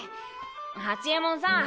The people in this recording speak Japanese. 八衛門さん